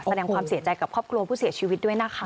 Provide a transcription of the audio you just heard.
แสดงความเสียใจกับครอบครัวผู้เสียชีวิตด้วยนะคะ